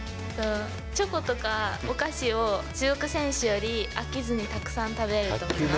チョコとかお菓子を中国選手より飽きずにたくさん食べられると思います。